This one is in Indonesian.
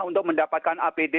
untuk mendapatkan apd